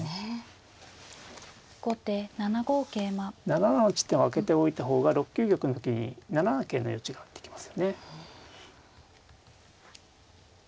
７七の地点を空けておいた方が６九玉の時に７七桂の余地ができますよね。